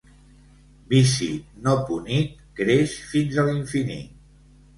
Vici no punit creix fins a l'infinit.